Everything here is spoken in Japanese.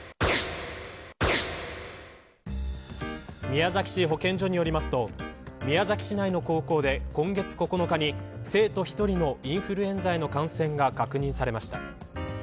宮崎市保健所によりますと宮崎市内の高校で今月９日に、生徒１人のインフルエンザへの感染が確認されました。